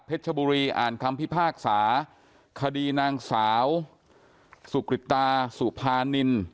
ชบุรีอ่านคำพิพากษาคดีนางสาวสุกริตาสุภานิน